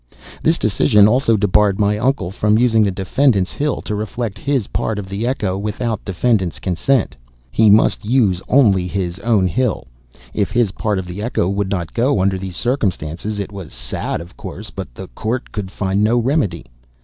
This decision also debarred my uncle from using defendant's hill to reflect his part of the echo, without defendant's consent; he must use only his own hill; if his part of the echo would not go, under these circumstances, it was sad, of course, but the court could find no remedy.